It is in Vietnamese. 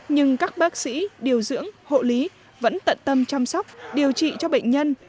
nhưng các bác sĩ điều dưỡng hộ lý vẫn tận tâm chăm sóc điều trị cho bệnh nhân